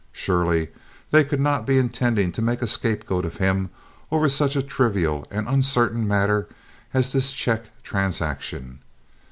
Surely they could not be intending to make a scapegoat of him over such a trivial and uncertain matter as this check transaction!